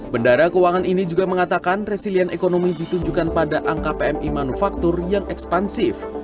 bendara keuangan ini juga mengatakan resilient ekonomi ditunjukkan pada angka pmi manufaktur yang ekspansif